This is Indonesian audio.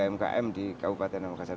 ya umkm di kabupaten pamekasan